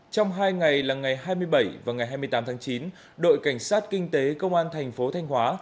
trong hai ngày là ngày hai mươi bảy và ngày hai mươi tám tháng chín đội cảnh sát kinh tế công an thành phố thanh hóa